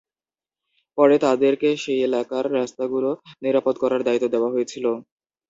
পরে তাদেরকে সেই এলাকার রাস্তাগুলো নিরাপদ করার দায়িত্ব দেওয়া হয়েছিল।